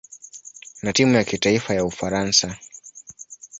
na timu ya kitaifa ya Ufaransa.